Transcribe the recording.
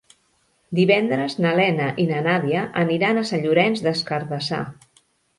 Divendres na Lena i na Nàdia aniran a Sant Llorenç des Cardassar.